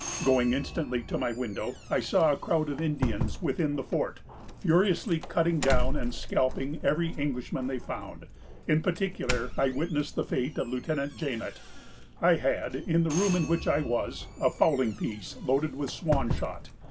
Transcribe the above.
"Going instantly to my window, I saw a crowd of Indians, within the fort, furiously cutting down and scalping every Englishman they found: in particular, I witnessed the fate of Lieutenant Jamette. "I had, in the room in which I was, a fowling piece, loaded with swan shot.